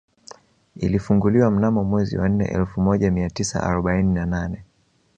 Ilifunguliwa mnamo mwezi wa nne elfu moja mia tisa arobaini na nane